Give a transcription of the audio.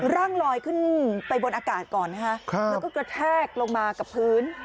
ร่างลอยขึ้นไปบนอากาศก่อนนะคะแล้วก็กระแทกลงมากับพื้น